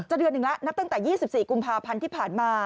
เดือนหนึ่งแล้วนับตั้งแต่๒๔กุมภาพันธ์ที่ผ่านมา